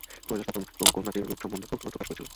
কৈলাস তখন কন্যাটির রূপ সম্বন্ধে কৌতূহল প্রকাশ করিল।